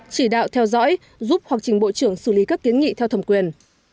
chỉ đạo theo dõi giúp hoặc trình bộ trưởng xử lý các kiến nghị theo thẩm quyền